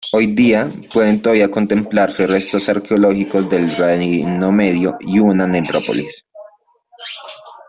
Hoy día pueden todavía contemplarse restos arqueológicos del Reino Medio y una necrópolis.